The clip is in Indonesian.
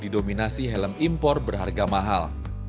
di dominasi helm impor berharga mahal